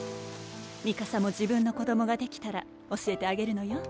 ミカサも自分の子どもができたら教えてあげるのよ。